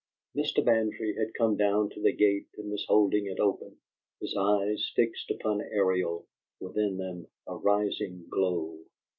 Mr. Bantry had come down to the gate and was holding it open, his eyes fixed upon Ariel, within them a rising glow.